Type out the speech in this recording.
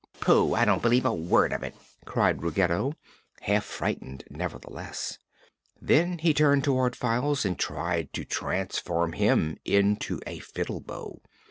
"Pooh! I don't believe a word of it!" cried Ruggedo, half frightened, nevertheless. Then he turned toward Files and tried to transform him into a fiddle bow.